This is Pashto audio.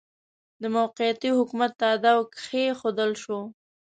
د موقتي حکومت تاداو کښېښودل شو.